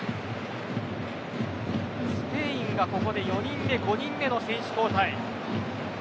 スペインがここで４人目、５人目の選手交代。